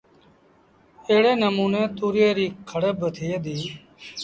ايڙي نموٚني تُوريئي ريٚ کڙ با ٿئي ديٚ